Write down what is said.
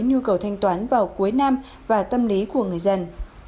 nhu cầu thanh toán vào cuối năm và tâm lý của người dân